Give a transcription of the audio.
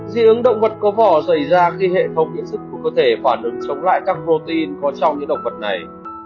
dị ứng động vật có vỏ xảy ra khi hệ phòng yến sức của cơ thể phản ứng chống lại các protein có trong những động vật này